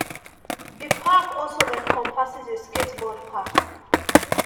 The park also encompasses a skateboard park.